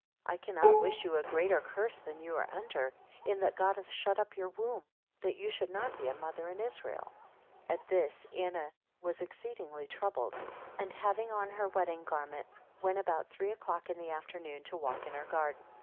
7 I cannot wish you a greater curse than you are under, in that God hath shut up your womb, that you should not be a mother in Israel. 8 At this Anna was exceedingly troubled, and having on her wedding garment, went about three o'clock in the afternoon to walk in her garden.